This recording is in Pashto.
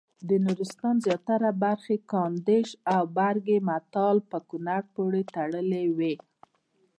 د نورستان زیاتره برخې کامدېش او برګمټال په کونړ پورې تړلې وې.